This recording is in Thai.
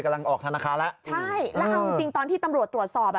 กำลังออกธนาคารแล้วใช่แล้วครับจริงตอนที่ตำรวจตรวจสอบ